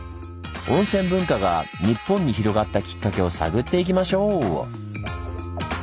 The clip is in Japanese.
温泉文化が日本に広がったきっかけを探っていきましょう！